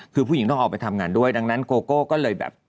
คือผู้หญิงต้องออกไปทำงานด้วยดังนั้นโกโก้ก็เลยแบบ